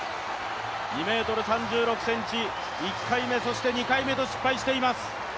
２ｍ３６ｃｍ、１回目、そして２回目と失敗しています。